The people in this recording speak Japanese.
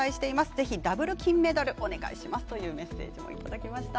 ぜひ、ダブル金メダルお願いしますというメッセージもいただきました。